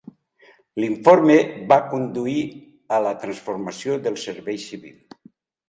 L'informe va conduir a la transformació del servei civil.